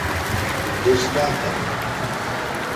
Ddu s leɛqel.